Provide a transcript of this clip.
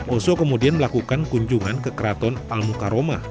osok kemudian melakukan kunjungan ke kraton almukaroma